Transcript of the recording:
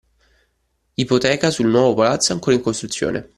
Ipoteca sul nuovo palazzo ancora in costruzione…